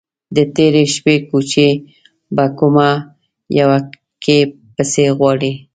_د تېرې شپې کوچی به په کومه يوه کې پسې غواړې؟